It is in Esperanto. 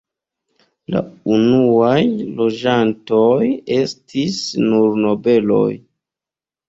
La unuaj loĝantoj estis nur nobeloj.